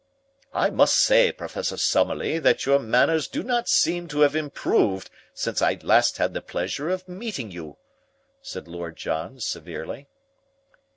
"I must say, Professor Summerlee, that your manners do not seem to have improved since I last had the pleasure of meeting you," said Lord John severely.